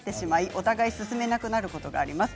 お互い進めなくなることがあります。